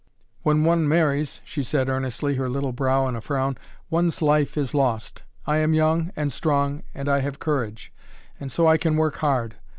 When one marries," she said earnestly, her little brow in a frown, "one's life is lost; I am young and strong, and I have courage, and so I can work hard.